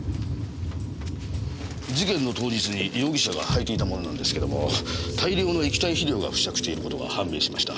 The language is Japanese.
事件の当日に容疑者が履いていたものなんですけども大量の液体肥料が付着していることが判明しました。